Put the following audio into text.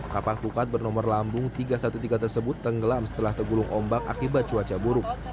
kapal pukat bernomor lambung tiga ratus tiga belas tersebut tenggelam setelah tergulung ombak akibat cuaca buruk